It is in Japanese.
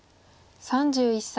３１歳。